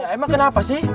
emang kenapa sih